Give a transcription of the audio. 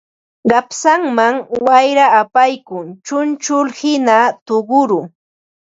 Qapsanman wayra apaykuq chunchullhina tuquru